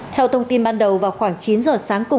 theo thông tin ban đầu vào khoảng chín giờ sáng cùng